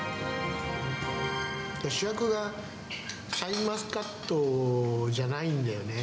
主役が、シャインマスカットじゃないんだよね。